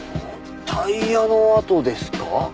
タイヤの跡ですか？